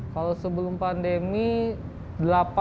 kalau sebelum pandemi berapa